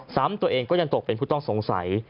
ตัวเองก็ยังตกเป็นผู้ต้องสงสัย